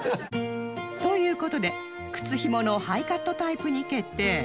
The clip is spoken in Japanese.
という事で靴紐のハイカットタイプに決定